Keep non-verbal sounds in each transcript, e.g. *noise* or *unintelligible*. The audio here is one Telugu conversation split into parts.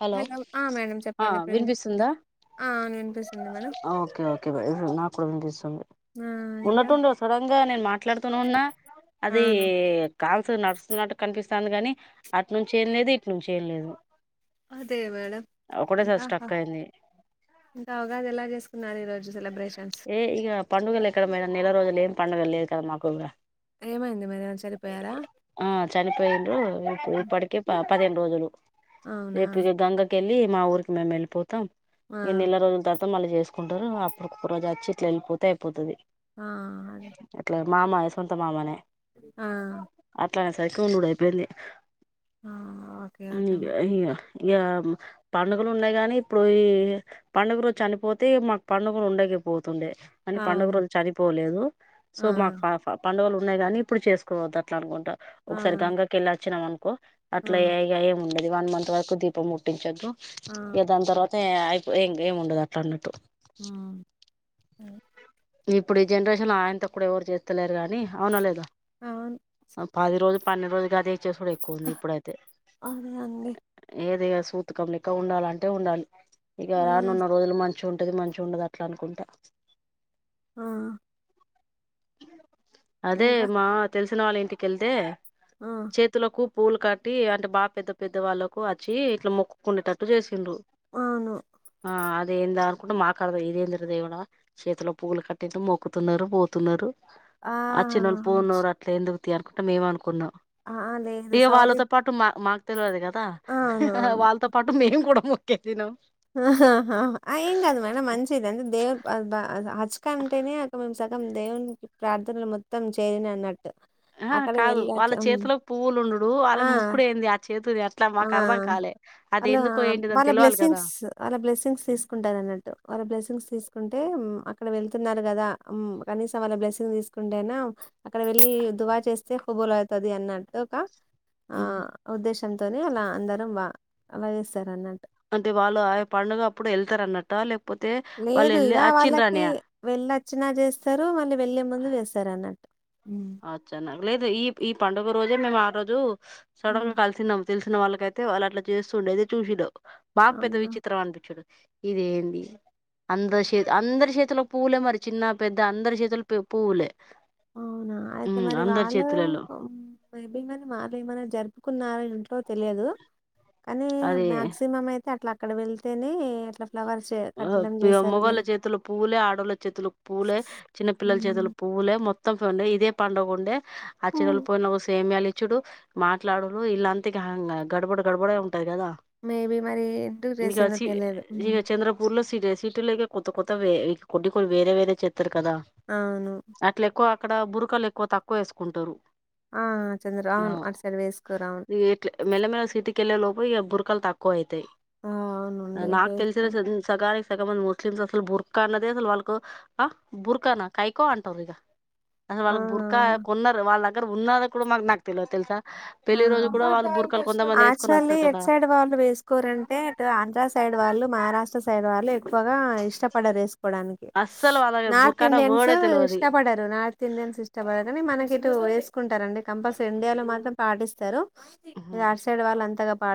హలో ఆ! మేడం ఆ చెప్పండి ఇప్పుడు వినిపిస్తుంది. వినిపిస్తుందా ఆ! అవును వినిపిస్తుంది మేడం. ఆ ఓకే ఓకే బ నా కూడా వినిపిస్తుంది. ఆ! ఇంకా ఉన్నటుండు సడంగా నేను మాట్లాడుతూనే ఉన్నా ఆ! అది, కాల్స్ నడుస్తున్నట్టు కనిపిస్తుంది. కాని అటు నుంచేంలేదు, ఇటు నుంచేంలేదు. అదే మేడమ్ ఇంకా హ స్ట్రక్ అయింది ఇంకా ఉగాది ఎలా చేసుకున్నారు. ఈ రోజు ఏ ఇగ పండుగలు ఎక్కడ మేడం నెల రోజులు ఏం పండుగ లేక మాకు ఏమైంది మరి ఏమైనా చనిపోయారా? ఆ చనిపోయిండ్రు హ్మ్. ఇపడికే పా పదిహేను రోజులు అవునా! రేపు ఇగ గంగకి వెళ్ళి మా ఊరికి మేం వెళ్ళిపోతాం. ఆ! ఇ నెల రోజుల తర్వాత మళ్ళీ చేసుకుంటరు. అప్పుడు ఒక్క రోజు వచ్చి ఇట్లా వెళ్ళిపోతే అయిపోతది. ఆ అదే అట్లా మామ సొంత మామనే ఆ ఇట్లా సైకోనూడిపోయ్ ఆ! ఓకే. ఓకే ఇగ మ్యామ్. ఇగ ఈగ పండుగలు ఉన్నాయి గానీ, ఇప్పుడు ఈ పండుగ రోజు చనిపోతే మాకు పండుగ ఉండకపోతుండే అని పండుగ అవును. రోజు చనిపోలేదు ఆ! సో మాకు పండుగలు ఉన్నాయి గాని ఇప్పుడు చేసుకోవద్దు అట్లా అనుకుంటా ఆ! ఒకసారి గంగకు వెల్లి వచ్చినా అను ఆ! అట్లా ఇక ఏమి ఉండదు వన్ మంత్ వరకు దీపం ముట్టించొద్దు ఆ! ఇక దాని తర్వాత అయిపో ఇంక ఏమి ఉండదు అట్లా అన్నట్టు ఆ ఇప్పుడు ఈ జనరేషన్ ఐంత కూడా ఎవరు చేత్తలేరు గానీ అవునలేదు అవును. పాది రోజులు పన్ను రోజుగాది చేసుడు ఎక్కువ ఉంది ఇప్పుడైతే అదే అండి. ఏది గద్ సూతకం లెక్క ఉండాలంటే ఉండాలి ఇక ఆ! రానున్న రోజులు మంచి మంచిగ ఉంటది మంచిగ ఉండదు అట్లా అనుకుంట ఆ అదే ఇంకా మా తెలిసిన వాళ్ళ ఇంటికి ఎళ్తే ఆ! చేతుల కూ పూలు కట్టి అంటే బాగా పెద్ద పెద్ద వాళ్ళకు వచ్చి ఇట్లా మొక్కుకున్నటట్టు చేసి రు అవును. ఆ అదేందా అనుకుంట మాకాడదా ఇదేందిర దేవుడా చేతిలో ఫుల్ కట్టి మొక్కుతున్నరు పోతున్నరు ఆ చిన్నోళ్ళు పోన్నారు అట్ల ఎందుకు అనుకుంటాం మేమ అనుకున్నాం ఆ! లేదు ఈగ సౌదీ వాళ్ళతో పాటు మా మాక్ తెల్వదు కదా అవునవును. వాళ్ళతో పాటు మేము కూడా మొ ఆహా ఆహా ఆ ఎం గాదు మేడం మంచిదే అంద దేవ్ బ హజ్ కు అంటేనే అ మేము సగం దేవునికి ప్రార్థనలు మొత్తం చేయరని అన్నట్టు అహా కాదు వాళ్ళ చేతిలో పువ్వులు ఉండుడు వాళ్ళని ఆ! ముక్కుడు ఏంది చేతుది అట్లా ఆ మాకు అర్థం కాలే అది అలా ఎందుకో ఏంటిదని వాళ్ళ తెలవాలి కదా బ్లెస్సింగ్స్ ఆల్లు బ్లెస్సింగ్స్ తీసుకుంటదన్ టు వాళ్ళ బ్లెస్సింగ్స్ తీస్ అంటే అక్కడ వెళ్తున్నారు కదా ఉమ్ కనీసం వాళ్ళ బ్లెస్సింగ్ తీసుకుంటేనా అక్కడ వెళ్ళి దువా చేస్తే హుబులు అవుతాది అన్నట్టు ఒక ఆ ఉహు. ఉద్దేశంతోనే అలా అందరం వా అలా చేస్తార అన్నట్ అంటే వాళ్ళు ఆ పండుగ అప్పుడు ఏళ్తారా అన్నట్ట లేకపో లేదు ఇగ వాళ్ళకి వెళ్ళచ్ వచ్చిన చేస్తారు మళ్ళీ వెళ్ళే ముందు చేస్తారు అన్నట్టు హ్మ్ అచ్చనా లేదు ఈ ఈ పండుగ రోజే మేము ఆ రోజు సడెన్ గా కలిసినం తెలిసిన వాళ్ళకయితే వాళ్ళ అట్లా చేస్తుండే చుసుడు మాక్ పెద్ద అవునా విచిత్రం అనిపించడు ఇదేంది అందరి చేతులో పూవులే అందరి చేతులో పూలె మరి చిన్న పెద్ద అందరి చేతులు పువ్వులే అవునా అయితే ఉమ్, మరి అందరి వాళ్ళు చేతులలో ఏమని వాళ్ళు ఏమనా జరుపుకున్నార ఉ రొ తెలియదు కానీ అది మాక్సిమం అయితే అట్లా అక్కడ వెళ్తేనే అట్లా ఫ్లవర్స్ కట్టడం చేశారులే మొగళ్ళ చేతుల పువ్వులే ఆడోళ్ళ చేతులో పూవ్వలే చిన్నపిల్లల చేతులు పువ్వులే మొత్తం మత్తండే ఇదే పండగ ఉండే ఆ అచ్చేల్ పోయిన ఒక సేమియాలు చూడు మాట్లాడురు ఇలాంటి గడబడ ఉ తేగదా మేబీ మరి ఎందుకు ఇకా చేసిందో చి తెలియదు ఉమ్. చంద్ర సీటీ లో కొత్త కొత్త వేరే కొద్ది వేరే చుప్ వరు కదా అవును అట్లా ఎక్కువ అక్కడ బురకాలు ఎక్కువ తక్కువ వేసుకుంటరు ఆ చంద్ర ఆ అవును అటు సైడ్ వేసుకోరు అవును ఎట్ల మెల్లగా సిటీకి కెళ్ళే లోపు ఇ బురకలు తక్కువ అయితాయి ఆ అవునండి అటు నాకు తెలిసిన వేసుకోరు చద సగానికి సగం మంది ముస్లిమ్స్ అసలు బుర్కా అన్నది అసలు వాళ్ళకు ఆ బుర్కానా కాయ్ కో అంటారు ఇగ అసలు వాళ్ళకి బుర్కా ఆ కొన్నారు వాళ్ళ దగ్గర ఉన్నదో కూడా మాకు నాకు తెలియదు తెలుసా ఆ పెళ్ళి రో యాక్చువల్లీ ఎటు సైడ్ వాళ్ళు వేసుకోరంటే ఇటు ఆంధ్రా సైడ్ వాళ్ళు మహారా కాస్ట్ సైడ్ వాళ్ళు ఎక్కువగా ఇష్టపడ రేస్ డానికి అస్సలు వాళ్ళ నార్త్ బుర్కా అనే ఇండియన్స్ వర్డే తెలవది ఇష్టపడరు. నార్త్ ఇండియన్స్ ఇష్టపడరు కానీ మనకి ఇటు టారండి కంపల్సరీ ఇండియా లో మాత్రం పాటిస్తారు. ఉహు అట్ సైడ్ వాళ్ళు అంతగ పా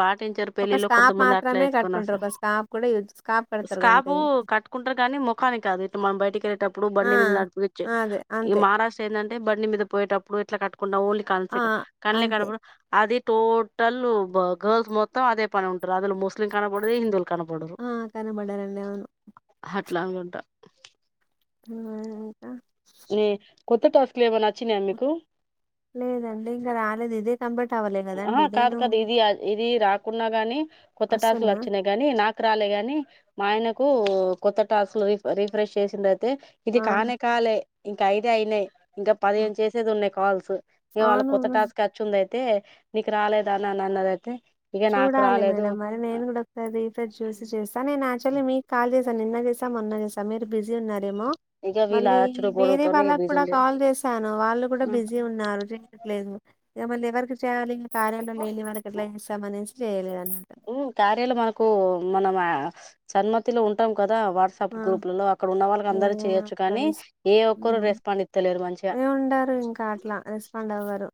పాటించారు ఒక పెళ్ళిలో స్కాప్ కొంతమంది అట్లా మాత్రమే వేసుకొని కట్టుకుంటారు వస్తారు ఒక స్కాప్ కూడా యు స్కాప్ కడతారు స్కార్ఫ్ గంతే ఇంకా కట్టుకుంటారు కానీ ముఖానికి కాదు ఇట్ మనం బయటకి వెళ్ళేటప్పుడు ఆ బండి మీద నడుపుచ్చే అదే ఈ అంతే మహారాష్ట్ర ఎం అంటే బండి మీద పోయేటప్పుడు ఇట్లా కట్ ఓన్లీ ఆ కల్సిడర్ కళ్లే అంతే కనబడ అది టోటల్ గర్ల్స్ మొత్తం అదే పని ఉంటారు అందులో ముస్లిలీం కనబడదు హిందులు ఆ కనబడరండి అవును ఇట్లగా ఉంటా ఊ మ్ ఇంక ఉమ్ కొత్త టాస్కులు ఏమైనా వచ్చినాయా మీకు లేదండి ఇంగ రాలేదు ఇదె ఆ కాదు కాదు ఇది ఇది రా కున్నా గాని కొత్త టాసులు వస్తున్నా వచ్చినా గాని నాకు రాలే గాని మా ఆయనకు కొత్త టాస్క్లు రి రిఫ్రెష్ చేసిందయితే ఇది ఆ కానేకాలే ఇంకా ఐదె అయినాయి ఇంకా పదిహేను చేసేది ఉన్నాయి కాల్స్ ఇంగ వాళ్ళకి అవును కొత్త టాస్కు వచ్చిందయితే నీకు రాలేదా అని అన్నదైతే చూడాలి మేడం మరి నేను కూడా ఒకసారి రిఫ్రెష్ చేసి చేస్తా నేను యాక్చువలీ మీకు కాల్ చేసా నిన్న చేసా మొన్న చేసా మీరు బిజీ ఉన్నారేమో ఇక వీళ్ళ మళ్ళీ అచ్చుడు వేరే పొడుగుతోని ఇక వాళ్ళకి బిజీ కూడా ఉండే కాల్ చేసాను వాళ్ళు కూడా ఆ బిజీ ఉన్నారు చేయట్లేదు ఇగ మళ్ళి ఎవర్కి చేయాలి కార్యాలో లేనివాళ్ళకి ఎట్ల చేస్తాం అనేసి చేయలే ఉమ్ కార్యాలో మనకు మనం అ సన్మతిలో ఉంటాం కదా వాట్సాప్ ఆ గ్రూపుల్లో అక్కడ ఉన్న వాళ్ళకి అందరికి చేయొచ్చు కానీ ఏ ఒక్కరు రెస్పాండ్ ఇత్తలేరు మంచిగా నె ఉండరు ఇంకా అట్లా రెస్పాండ్ అవ్వర్ రు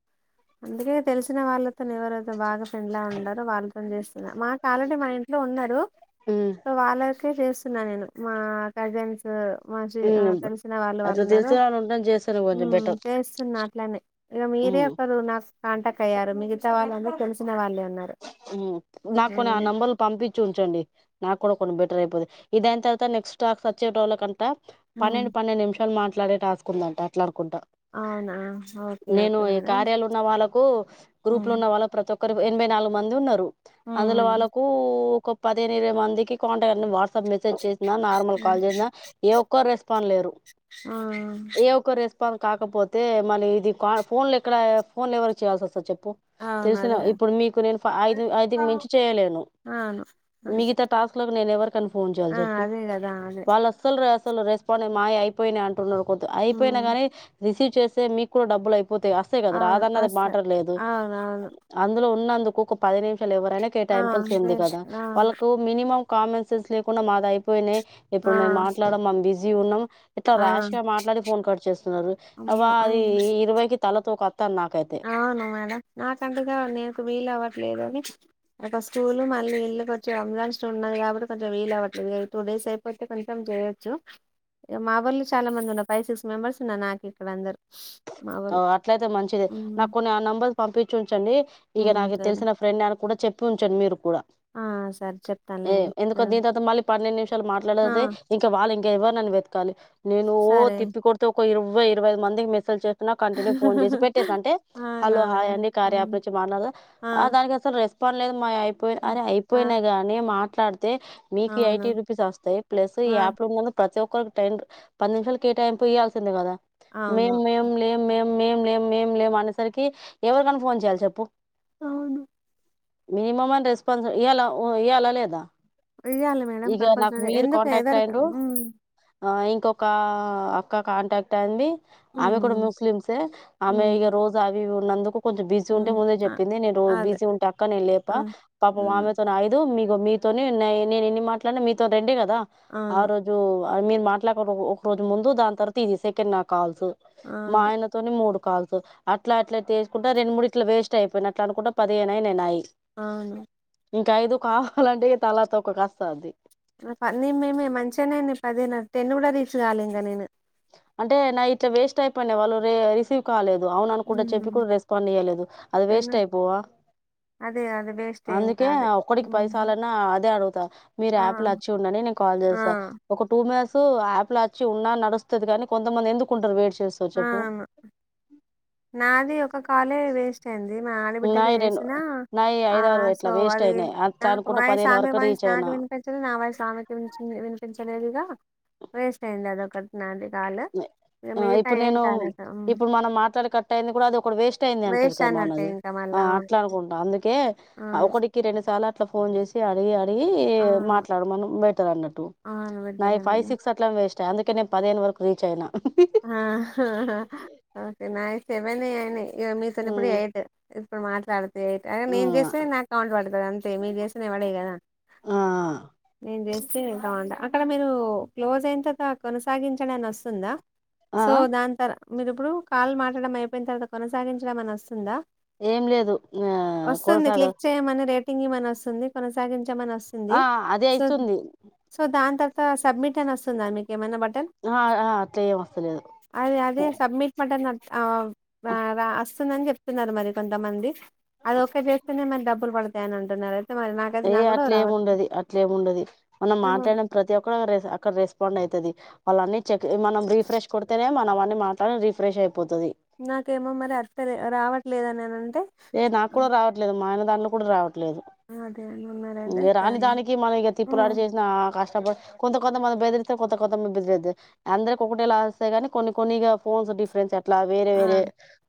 అందుకే తెలిసిన వాళ్ళతోనే ఎవరైతే బాగా పెండ్లా ఉండారో వాళ్ళ తోని చేస్తున్నా మాకు ఆల్రెడీ మా ఇంట్లో ఉన్నారు ఉమ్ సో వాళ్ళకే చేస్తున్నా నేను మా కజిన్స్ మా ఆ ఉమ్ తెలిసిన వాళ్ళు అట్లా వాళ్ళు ఉన్నారు తెలిసిన వాళ్ళు ఉంటే చేస్తేనే కొంచెం ఉమ్ బెటర్ చేస్తున్నా అట్లనే ఇగ ఉమ్ మీరే ఒకరు నాకు కాంటాక్ట్ అయ్యారు మిగతా వాళ్ళందర్ తెలిసిన వాళ్ళే ఉన్నారు హు నాకున్ని ఆ నంబర్లు పంపించి ఉంచండి నాకుడ బెటర్ అయిపోతే ఇదైనతర్వాత నెక్స్ట్ టాస్క్ వచ్చేటోళ్ళకంత పన్నెండు పన్నెండు నిమిషాలు మా ట్లడే టాస్కుందంట అట్లా కుంట అవునా ఓకే నేను ఓకే ఈ మేడం కార్యాలు ఉన్న వాళ్ళకు గ్రూప్లు ఉన్న వాళ్ళ ప్రతి ఒక్ ఒకరు ఎనభై నాలుగు మంది ఉన్నారు అందులో వాళ్ళకు ఒక పదిహేను ఇరవై మందికి కాంట్రాక్ వాట్సాప్ మెసేజ్ చేసి నార్మల్ కాల్ చేసిన ఏ ఒక్క రెస్పాండ్ లేరు ఏ ఒక్క రెస్ రెస్పాండ్ కాకపోతే మలి ఇది కా ఫోన్లు ఎక్కడ ఫోన్లు ఎవరు చేయాల్సి వస్తది చెప్ పు అవును తెలిసిన అదే ఇప్పుడు మీకు నేను ఐదు ఐదు కి మించి చేయలేను అవును అంతే మిగితా టాస్క్ లకు నేనెవరి కని ఫోన్ చేయాలి ఆ చెప్పు అదే కదా అదే వాళ్ళు అస అసలు రెస్పాండ్ మా అయిపోయినాయి అంటున్నారు ద్ అయిపోయినా ఉమ్ గాని రిసీవ్ చేస్తే మీకు కూడా డబ్బులు అయిపో పోతాయి అస్తేయి కదా అవును రాదన్న అది అస్స మాటలేదు అవునవును అందులో ఉన్నందుకు ఒక పది ఎవరైనా ఆ కెటైంపుల్స్ ఏంది లేదు, కదా అవును వాళ్ళకు మినిమం కామన్ సెన్స్ లేకుండా మాది అయిపోయినాయ్ ఆ ఇప్పుడు మేము మాట్లాడం మం బిజీ ఉన్నాం ఇట్లా ఆ ర్యాష్ గా మాట్లాడి ఫోన్ కట్ చేస్తున్నారు అవ అమ్మో ఆ, అది ఇరవైకి తలతోక అవును మేడం నాకంటుగా నీకు వీలు అవ్వట్లేదు అని ఒక స్కూల్ మళ్ళీ ఇల్లు కొంచెం *unintelligible* ఉన్నది కాబట్టి కొంచం వీళ్లవ్వట్లేదు టూ డేస్ అయిపోతే కొంచం జే. చేయెచ్చు మా వాళ్ళు చాలా మంది ఉన్నారు ఫైవ్ సిక్స్ మెంబర్స్ ఉన్నార్ నాకు ఇక్కడ అందరు. మా వాళ్ళు ఆవ్ అట్లయితే మంచిదే నాకు ఉమ్ కొన్ని ఆ నెంబర్స్ పంపించు. చండి ఇగ ఉమ్, నాగు సరే తెల్సినా ఫ్రెండ్ అవే గూడా చెప్పుంచండిమీరు కూడా ఆ సరే ఏ చెప్తానులేండి ఎందుకో ఆ దిన్ తర్వాత మళ్ళీ పన్నెండ్ నిమిషాలు ఆ, మాట్లడేది ఇంకా వాళ్ళి ఎవ్వర్ నన్ను వెతకాలి నేను ఓ సరే తిప్పికొడితే ఒక ఇరవై ఇరవై ఐదు మందికి మెసేజ్ తున కంటిన్యూ ఫోన్ జెసి పెట్టేస్తా అంటే అవునా హలో మేడం హాయండి ఉమ్, కార్యప్ నుంచి మాట్లాడుద ఆ ఆహ్ దానికి అస్సల్ రెస్. ఫార్లేదు మాయైపోయినై ఆ అరే ఆ. అయిపోయినాయి గానీ మాట్లాడుత్. తే మీకు అవును. ఎయిటీ రూపీస్ ఓస్తాయి ప్లసు ఈ ఆ! యాప్ ఉన్నొళ్ళాకు ప్రతి ఒక్క. కోర్టెడ్ పది నిమిషాలకి కేటాయింపు ఇయాల్సిందే గాదా. ఆవును. మేం లేం మేం మేం లేం మేం లేం అనేసరికి ఎవరన్ ఫోన్ జేయ్యాలి చెప్పు. అవును. మీనిమ్మమన్ రెస్పాన్స్ ఇయ్యల వ ఇయాలా లేదా. ఇయ్యాలి మేడం ఇక నాకు కంపల్సరీ ఏ ఎందుక ఏదర ఉమ్. ఆహ్ ఇంకొక్కా అక్క కాంటాక్ట్ అయింది. ఆమె కుడా హ్మ్. ముస్లింసే ఆమె హ్మ్. ఈగ రోజా అవి ఏవి ఉన్నందుకు. కొంచెం బిజీ ఉంటే హ్మ్. ముందే అ జేప్పింది నేన్రోజు అదే. బిజీ ఉంట అక్క నేను లేప ఆ! పాపమ్ అవును. అమెతోనైదు మీ. ఇగో మీతోనే నైన్ నేనెన్ని మాట్లాడినా మీతో రెండే గదా ఆ అవును. రోజు. మీరు మాట్లాడుక్కోకొ ఒక రోజు ముందు దాని తర్వాత ఇది సెకండ్ నాకాల్సు మా అవును. ఆయనతోనే మూడు. కాలుస్సు అట్లా అట్లా చేసుకుంటా రెండ్ మూడు ఇట్లా వేస్ట్ అయిపోయట్లా అనుకుంట పదిహేనైనాయ్ నావి. అవును. ఇంకైదు కావాలంటే తలతోక కస్తంది. నా ప నీ మేమే మంచిగానే నీవి పదైనై నావి టెన్ గూడా రీచ్ గాలే ఇంకా నేను. అంటే నాయిట్లా వేస్ట్ అయిపోనాయి వాళ్ళు రే రిసీవ్ కాలేదు. అవును అనుకుండా చెప్పి హ్మ్. కూడ రెస్పాండ్ ఇయ్యలేదు అది వేస్ట్ అయిపోవా. అదే. అదే వేస్టే ఇంక అందుకే అదే. ఒక్కటికి హ్మ్. పదిసాలన్నా అదే అడుగుతా మీరు ఆ! యాప్లా ఓచ్చి ఉండాండి నే. నేను కాల్ ఆ! జేస్తా ఒక టూ మిట్స్ యాప్ల ఓచ్చి ఉన్నా నడుస్తది రానీ కొంతమంది ఎందుకుంటారు వెయిట్. చేస్తారు చెప్పు ఆహ్ అవును. నాది ఒక కాలే వేస్ట్ అయింది. అది మా ఆడిబిడ్డకి నాయి రెండు చేసుకున్న నాయి ఆహ్ ఐదారు ఇట్లా సో వేస్ట్ అది అయినాయి అట్లా నాకు అనుకుంట వాయిస్ పదిహేను ఆమె వరకు వాయిస్ రీచ్ నాకు అయినా విన్. వినిపించలేదు నా వాయిస్ ఆమెకి విన్ వినిపించలేదిగా. వేస్ట్ అయింది అదొక్కట్ నాంది కాల్ ఆ మీ. ఇప్పుడు నేను ఇప్పుడు మనం మాట్లాడి కట్టైది గూడా అది ఒకటి వేస్ట్ అయ్యింది అంటుంరు వేస్ట్ కదా అన్నట్టే మనది. ఇంకా మళ్ళా. ఆహ్ అవును. అట్లా అనుకుంటా అందుకే. ఆహ్ అవును. ఒకటికి రెండు సార్లు అట్లా ఫోన్ జేసి అడిగి అడ్ ఈ అవును. మాట్లాడమను బెటర్ అన్నట్టు అవును. నాయ్ బిడ్డనే ఫైవ్ బిడ్డ. సిక్స్ అట్లా వెస్ట్. చ అందుకానే పదహైను వరకు రిచ్ అయినా. ఆహ్ హ్ నావి సేవెనే ఆయినైయి మీతోన్నిప్పుడు ఉమ్, ఎయిట్. ఇప్పుడు మాట్లాడితేకా ఆహ్ ఉమ్. మేంజేస్తే నాకు కౌంట్ వడుతది అంతే మీరు జేస్తేనే వాడవిగాదా. ఆ నేన్ చేస్త్. సిర్ *unintelligible* అక్కడ మీరు క్లోజ్ అయిన తర్వాత కొనసాగించండి అని ఓస్తుందా. ఆ సో దాన్ తార్ మీరీప్పుడు కాల్ మాట్లాడడం అయిపోయిన తర్వాత కొనసాగించడం అని ఓస్తుందా. ఏం లేదు ఆ ఓస్తుంది కొనసాగ క్లిక్ చేయమని రేట్. కీమి మనివస్తుంది కొనసాగించమనివస్తుంది ఆ అదే సో అయితుంది సో దాంతర్వత. కా సబ్మిట్ అనొస్తుందా మీక్ ఏమైనా బటన్. ఆ ఆ అట్లా ఏం వస్తలేదు అదే అదే సబ్మిట్ బటన్. ఆహ్ వా వాస్తుందని జెప్తున్నారు మరి కొంతమంది. అది ఓకె జేస్తేనే మరి డబ్బులు పడుతాయ్ అని అంటున్నారు. అయితే మరి నాకైత్ ఏ నా కూడా రావ. అట్లేమి ఉండది అట్లేమి ఉండది మనం మాట్లాడ్న ప్రతి ఒక్కరు రెస్ అక్కడ రెస్. కోన్నైతది ఆళ్లన్ని చెక్ మనం రీఫ్రెష్ కొడతేనే మనవన్నీ మాటలు రీఫ్రెష్ అయి. నాకేమో మరే అత్తలె రావట్లేదానీనంటే. ఏ నాక్కూడ రావట్లేదు మా ఆయన దాంట్లో కుడా రావ లేదు అదే ఉన్నారైతే ఈగ రాని సరే దానికి మన ఈగ ఉమ్, తిప్పులాడి జేసిన కష్ట కొంత కొంతమంది బెదిరిస్త కొంత కొంతెమమ్మ్ బెరెడ్డ్ అందరికి ఒకటే ల వస్ కొన్ని కొన్నిగా ఫోస్ల్ డిఫరెన్స్ అట్లా వేరే ఆ వేరే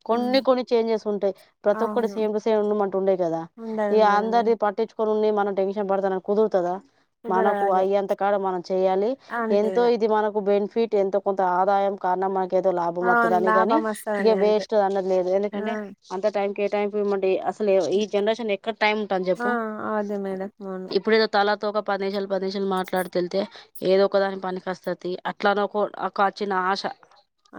కొన్ని ఉమ్, కొన్ని చేంజెస్ ఉంటాయి. ప్రతి ఒక్కడు అవును సేమ్ టూ సేమ్ ఉండుమంటే ఉండేయి కదా ఉండదు ఈగ ఉండదు అది అందరిది పట్టి చూ. కొన్ని మనం టెన్షన్ పడుతున్నం కుదురుతదా. కుదరదు మనకు అదే అయ్యంత కాడ మనం చెయాలి అంతే ఎంతో ఇగ ఇది మనకు బెన్ ఫీట్ ఎంతో కొంత ఆదాయం కారణమ ఏదో లాభం వత్తద అవును అని కాగాని లాభం ఇగ వస్తదని అంతే వేస్ట్ అన్నది లేదు ఎందుకంటే అంత టైం కేటాయించ లేమండి అస్ అసలు ఈ జనరేషన్ ఎక్కడ టైం ఉంటది ఆ చెప్పు ఆ అదే మేడం అవును ఇప్పుడేదో తల తోక పది నిమిషాలు పది నిమిషాలు మాట్లాడతెల్తే ఏదో ఒక దాని పనికి ఓస్తది అట్లాన్ ఒకో ఒక చిన్న ఆశ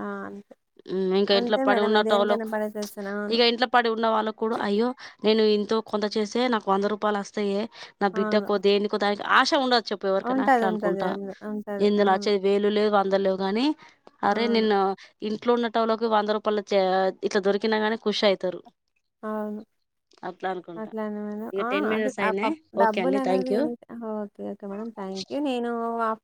ఆ అంతే హ్మ్ ఇంకా ఇంట్లో అంతే పడి మేడం ఉన్నట్వలో దేనికైనా ప్చ్ పనికొస్తది అవును ఇగ ఇంట్లో పడి ఉన్న వాళ్ళుకి కూడా అయ్యో నేను ఇంతో కొంత చేసే నాకు వంద రూపాలు వస్తాయే నా అవును బిడ్డకో దేనికో దానికి ఆశ ఉండచ్ చెప్ప ఎవరికైనా ఉంటది అట్లా ఉంటది అనుకుంట అందు ఉంటది ఎంది అవును నచ్చేవేలు లేవ అందలేవు గాని అరే అవును నిన్న ఇంట్లో ఉన్నటోళ్ళకి వంద రూపాలు ఇచే ఇట్లా దొరికిన గానే కుష్ ఆయితరు అవును అనుకుంటా అట్లాన మేడం ఇక ఆ టెన్ అది మినిట్స్ అయినాయి ఓకే డబ్బులు అండి థ్యాంక్ అనేది యూ అనిట్ అహా ఒకే ఒకే మేడం టైమ్ ఇ నేను ఆ